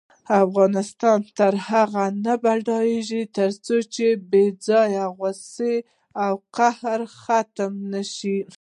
افغانستان تر هغو نه ابادیږي، ترڅو بې ځایه غوسه او قهر ختم نشي.